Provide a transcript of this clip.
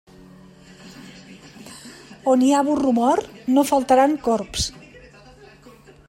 On hi ha burro mort no faltaran corbs.